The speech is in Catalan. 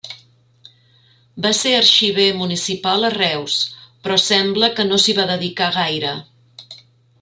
Va ser arxiver municipal a Reus, però sembla que no s'hi va dedicar gaire.